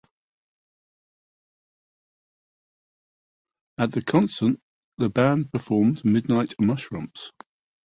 At the concert, the band performed "Midnight Mushrumps".